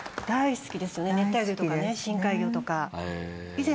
熱帯魚とかね深海魚とか。